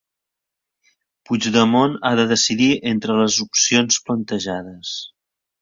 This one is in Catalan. Puigdemont ha de decidir entre les opcions plantejades.